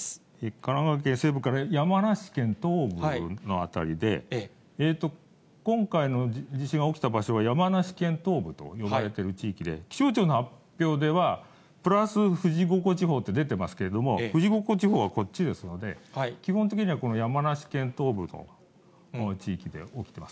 神奈川県西部から山梨県東部の辺りで、今回の地震が起きた場所は山梨県東部と呼ばれてる地域で、気象庁の発表では、プラス富士五湖地方って出てますけれども、富士五湖地方はこっちですので、基本的にはこの山梨県東部の地域で起きてます。